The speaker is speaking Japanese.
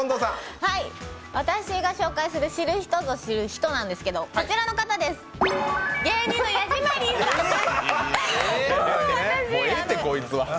私が紹介する知る人ぞ知る人なんですけどもうええてこいつは。